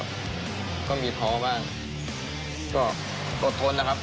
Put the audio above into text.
บอลลีกมันแข็งของทุกคนครับ